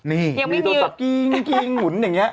นี่ยังไม่มีอีกมีโทรศัพท์กิ้งหมุนอย่างนี้